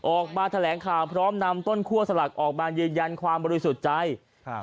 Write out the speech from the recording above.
ออกมาแถลงข่าวพร้อมนำต้นคั่วสลักออกมายืนยันความบริสุทธิ์ใจครับ